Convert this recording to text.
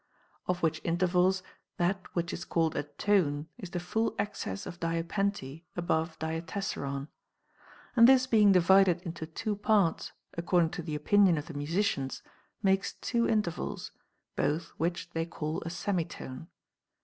Of which intervals, that which is called a tone is the full excess of diapente above diatessaron ; and this being divided into two parts, according to the opinion of the musicians, makes two intervals, both which they call a semitone.